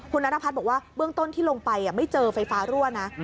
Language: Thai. คุณนัทพัฒน์บอกว่าเบื้องต้นที่ลงไปไม่เจอไฟฟ้ารั่วนะ